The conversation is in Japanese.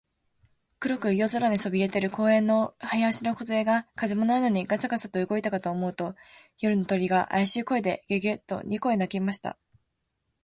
黒く夜空にそびえている公園の林のこずえが、風もないのにガサガサと動いたかと思うと、夜の鳥が、あやしい声で、ゲ、ゲ、と二声鳴きました。